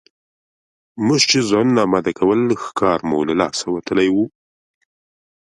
موږ چې ځانونه اماده کول ښکار مو له لاسه وتلی وو.